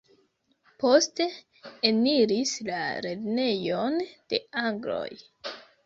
Poste eniris la "Lernejon de Agloj".